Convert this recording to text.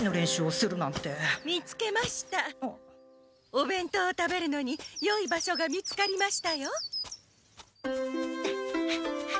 おべんとうを食べるのによい場所が見つかりましたよ。